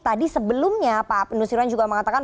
tadi sebelumnya pak nusirwan juga mengatakan